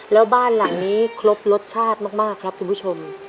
แล้วบ้านหลังนี้ครบรสชาติมากครับคุณผู้ชม